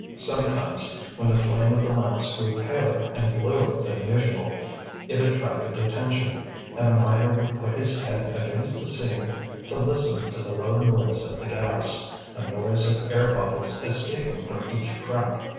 Sometimes when the flame of the lamps grew paler and bluer than usual it attracted attention, and a miner would put his head against the seam to listen to the low noise of the gas, a noise of air bubbles escaping from each crack.